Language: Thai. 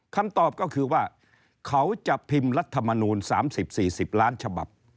คำตอบก็คือว่าเขาจะพิมพ์รัฐมนูล๓๐๔๐ล้านฉบับ